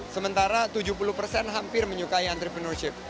sementara tujuh puluh persen hampir menyukai entrepreneurship